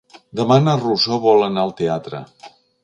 Demà na Rosó vol anar al teatre.